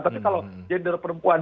tapi kalau gender perempuan